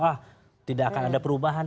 ah tidak akan ada perubahan